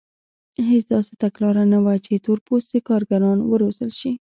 هېڅ داسې تګلاره نه وه چې تور پوستي کارګران وروزل شي.